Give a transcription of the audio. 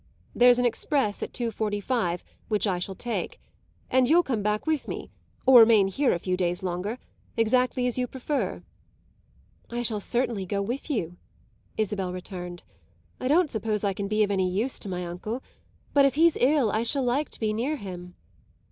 There's an express at two forty five, which I shall take; and you'll come back with me or remain here a few days longer, exactly as you prefer." "I shall certainly go with you," Isabel returned. "I don't suppose I can be of any use to my uncle, but if he's ill I shall like to be near him."